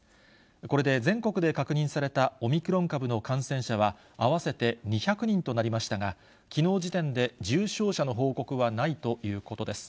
これで全国で確認されたオミクロン株の感染者は合わせて２００人となりましたが、きのう時点で重症者の報告はないということです。